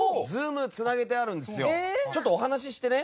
ちょっとお話ししてね